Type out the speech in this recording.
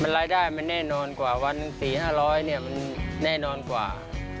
รายได้มันแน่นอนกว่าวันนั้นสี่ห้าร้อยมันแน่นอนกว่า